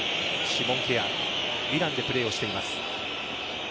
シモン・ケアミランでプレーをしています。